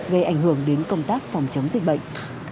gây ảnh hưởng đến công tác phòng chống dịch bệnh